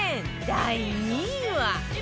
第２位は